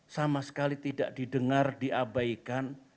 sama sekali tidak didengar diabaikan